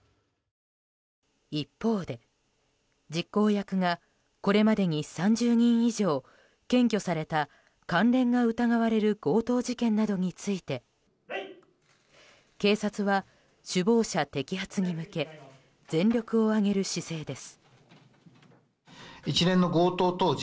一方で、実行役がこれまでに３０人以上検挙された関連が疑われる強盗事件などについて警察は、首謀者摘発に向け全力を挙げる姿勢です。